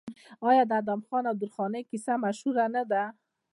آیا د ادم خان او درخانۍ کیسه مشهوره نه ده؟